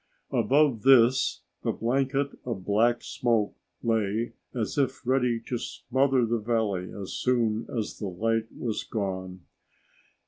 Above this, the blanket of black smoke lay as if ready to smother the valley as soon as the light was gone.